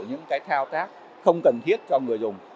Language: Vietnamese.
những cái thao tác không cần thiết cho người dùng